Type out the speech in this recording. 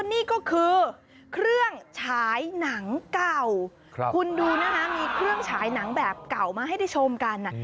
มีเครื่องชายหนังแบบเก่ามาให้ชมกัน